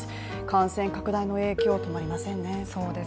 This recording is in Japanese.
感染拡大の影響、止まりませんね。